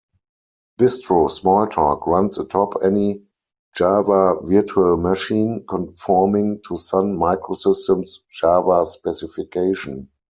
Bistro Smalltalk runs atop any Java virtual machine conforming to Sun Microsystems' Java specification.